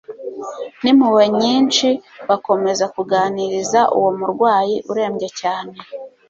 N'impuhwe nyinshi bakomeza kuganiriza uwo murwayi urembye cyane